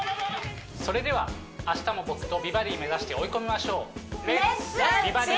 それでは明日も僕と美バディ目指して追い込みましょう「レッツ！美バディ」